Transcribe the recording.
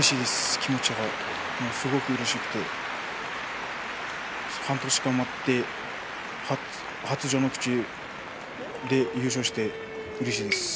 気持ちもすごくうれしくて半年間待って初序ノ口で優勝してうれしいです。